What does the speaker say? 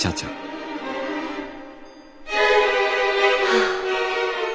はあ。